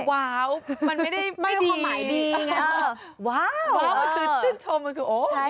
แต่ว้าวมันไม่ได้ไม่ดีว้าวมันคือชื่นชมมันคือโอ้ดีใช่